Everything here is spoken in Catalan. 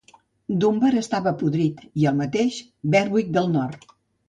Dunbar estava podrit i el mateix Berwick del Nord.